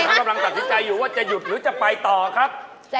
จัดสินใจว่าจะหยุดหรือจะไปต่อครับ